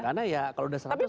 karena ya kalau sudah seratus